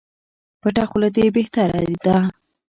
پټه خوله دي بهتري ده